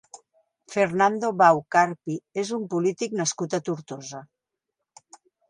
Fernando Bau Carpi és un polític nascut a Tortosa.